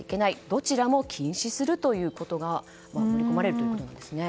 どちらも禁止するということが盛り込まれるということです。